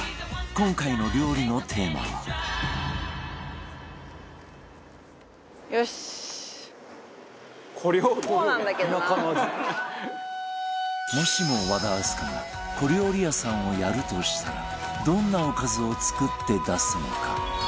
今回の料理のテーマはもしも、和田明日香が小料理屋さんをやるとしたらどんなおかずを作って出すのか？